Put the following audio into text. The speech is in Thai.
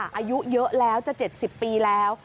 อายุเยอะแล้วจะ๗๐ปีแล้ว